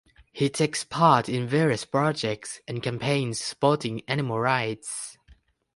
He takes part in various projects and campaigns supporting animal rights.